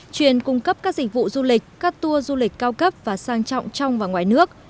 chuyên cung cấp các dịch vụ du lịch các tour du lịch cao cấp và sang trọng trong và ngoài nước